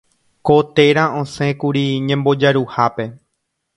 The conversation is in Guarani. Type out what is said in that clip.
Ko téra osẽkuri ñembojaruhápe.